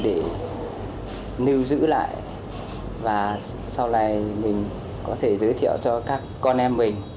để lưu giữ lại và sau này mình có thể giới thiệu cho các con em mình